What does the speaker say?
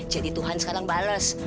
jadi tuhan sekarang bales